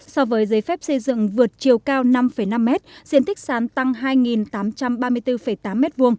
so với giấy phép xây dựng vượt chiều cao năm năm m diện tích sàn tăng hai tám trăm ba mươi bốn tám m hai